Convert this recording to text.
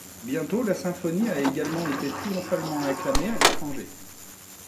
Bientôt la symphonie a également été triomphalement acclamée à l'étranger.